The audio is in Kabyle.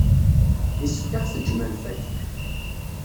Yessefk ad aɣ-tejjem ad nfak.